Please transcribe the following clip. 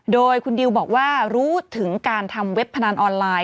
โดยคุณดิวบอกว่ารู้ถึงการทำเว็บพนันออนไลน์